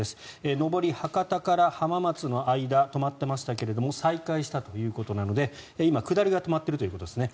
上り、博多から浜松の間止まっていましたけど再開したということなので今、下りが止まっているということですね。